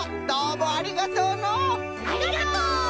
ありがとう！